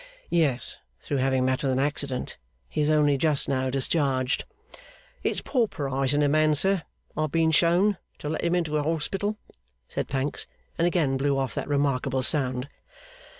'Yes. Through having met with an accident. He is only just now discharged.' 'It's pauperising a man, sir, I have been shown, to let him into a hospital?' said Pancks. And again blew off that remarkable sound.